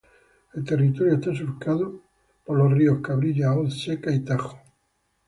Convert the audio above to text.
El territorio está surcado por los ríos Cabrillas, Hoz Seca y Tajo.